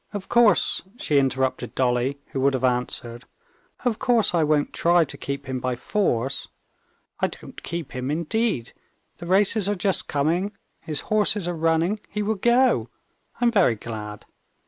"Of course," she interrupted Dolly, who would have answered, "of course I won't try to keep him by force. I don't keep him indeed. The races are just coming, his horses are running, he will go. I'm very glad.